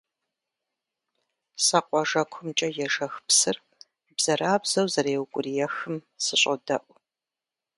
Сэ къуажэкумкӀэ ежэх псыр бзэрабзэу зэреукӀуриехым сыщӀодэӀу.